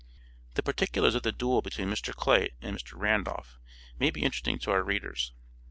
The particulars of the duel between Mr. Clay and Mr. Randolph maybe interesting to our readers.